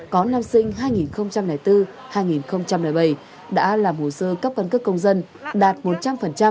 có năm sinh hai nghìn bốn hai nghìn bảy đã làm hồ sơ cấp căn cước công dân đạt một trăm linh